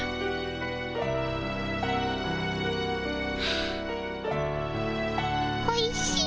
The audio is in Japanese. あおいしい。